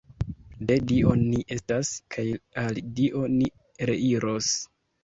De Dio ni estas, kaj al Dio ni reiros.